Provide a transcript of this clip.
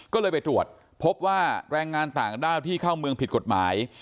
ก็เลยไปตรวจพบว่าแรงงานต่างด้าวที่เข้าเมืองผิดกฎหมาย